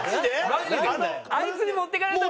あいつに持っていかれたの？